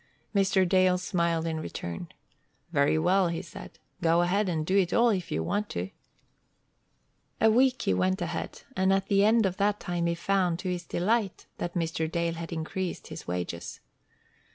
Mr. Dale smiled in return. "Very well," he said. "Go ahead and do it all if you want to." A week he went ahead, and at the end of that time he found, to his delight, that Mr. Dale had increased his wages.